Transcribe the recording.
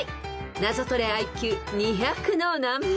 ［ナゾトレＩＱ２００の難問です］